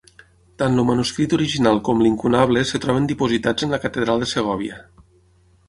Tant el manuscrit original com l'incunable es troben dipositats en la Catedral de Segòvia.